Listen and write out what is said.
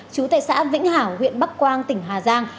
chú tại xã vĩnh hảo huyện bắc quang tỉnh hà giang